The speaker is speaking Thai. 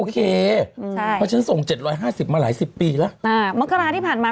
กรอนส่งมากี่ปีแล้วเนี่ยจี้